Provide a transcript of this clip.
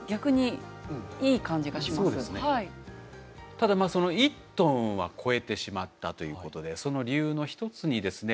ただその１トンは超えてしまったということでその理由の一つにですね